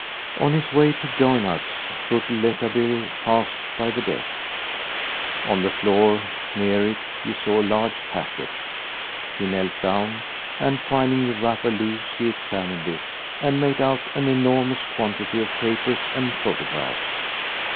On his way to join us Rouletabille passed by the desk. On the floor, near it, he saw a large packet. He knelt down and, finding the wrapper loose, he examined it, and made out an enormous quantity of papers and photographs.